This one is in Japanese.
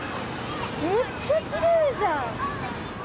めっちゃきれいじゃん。